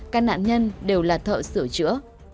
các nạn nhân đều là thợ sửa chữa